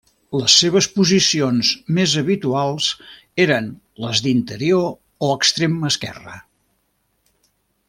Les seves posicions més habituals eren les d'interior o extrem esquerre.